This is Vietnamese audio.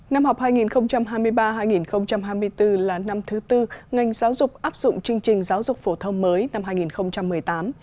năm học hai nghìn hai mươi ba hai nghìn hai mươi bốn là năm thứ tư ngành giáo dục áp dụng chương trình giáo dục phổ thông mới năm hai nghìn một mươi tám